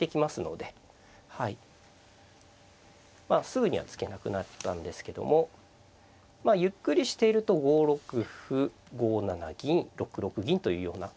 すぐには突けなくなったんですけどもゆっくりしていると５六歩５七銀６六銀というような。